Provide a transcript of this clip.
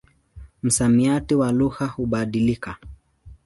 Msamiati wa lugha hubadilika.